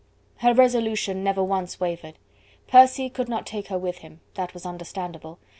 Her resolution never once wavered. Percy would not take her with him: that was understandable.